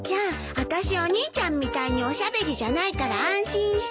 あたしお兄ちゃんみたいにおしゃべりじゃないから安心して。